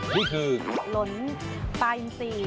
นี่คือหลนปลาอินซี